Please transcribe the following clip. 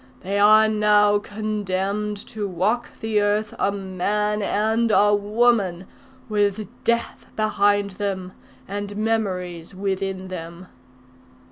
They are now condemned to walk the earth, a man and a woman, with death behind them, and memories within them.